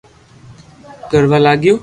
ڪروا لاگيو